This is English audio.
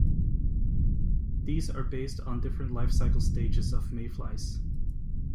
These are based on different life-cycle stages of mayflies.